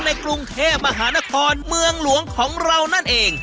ในกรุงเทพมหานครเมืองหลวงของเรานั่นเอง